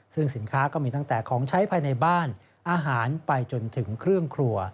ซึ่งสินค้าก็มีตั้งแต่ของใช้ภายในบ้านอาหารไปจนถึงเครื่องครัว